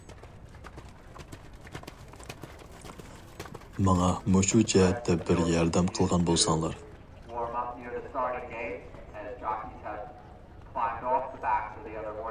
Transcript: ماڭا مۇشۇ جەھەتتە بىر ياردەم قىلغان بولساڭلا.